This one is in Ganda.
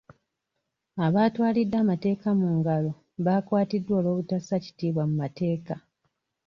Abaatwalidde amateeka mu ngalo bakwatiddwa olw'obutassa kitiibwa mu mateeka.